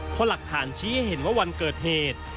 เพราะหลักฐานชี้ให้เห็นว่าวันเกิดเหตุ